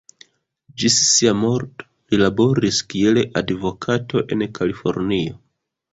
Ĝis sia morto, li laboris kiel advokato en Kalifornio.